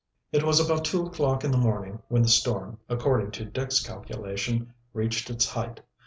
It was about two o'clock in the morning when the storm, according to Dick's calculation, reached its height.